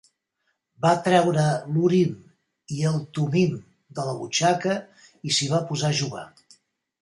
Va treure l'Urim i el Tumim de la butxaca i s'hi va posar a jugar.